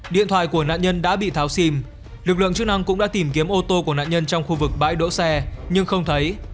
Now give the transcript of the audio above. điện thoại của nạn nhân đã bị tháo sim lực lượng chức năng cũng đã tìm kiếm ô tô của nạn nhân trong khu vực bãi đỗ xe nhưng không thấy